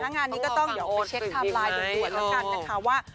งานนี้ก็ต้องไปเซ็กฟาร์มไลน์ได้ก่อนละกันนะคะ